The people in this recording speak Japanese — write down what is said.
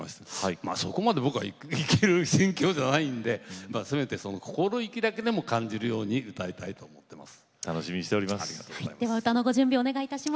僕は、そこまでいける心境ではないのでせめて心意気だけ感じるように歌いたいと思います。